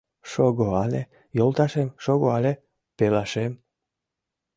Шого але, йолташем, шого але, пелашем